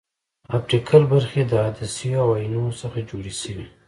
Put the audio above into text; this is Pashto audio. اپټیکل برخې د عدسیو او اینو څخه جوړې شوې.